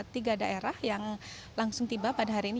tiga daerah yang langsung tiba pada hari ini